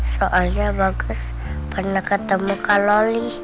soalnya bagus pernah ketemu kak loli